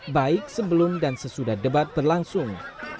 baik sebelum dan sesudah debat berlangsung